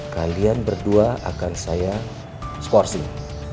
kalian berdua akan saya skorsing